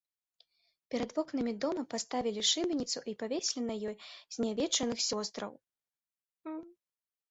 Перад вокнамі дома паставілі шыбеніцу і павесілі на ёй знявечаных сёстраў.